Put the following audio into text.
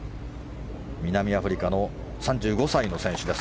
南アフリカの３５歳の選手です。